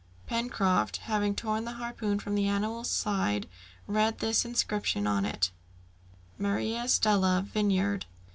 Pencroft, having torn the harpoon from the animal's side, read this inscription on it: "'MARIA STELLA,' "VINEYARD."